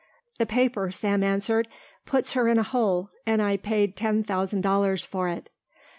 "The paper," Sam answered, "puts her in a hole and I paid ten thousand dollars for it."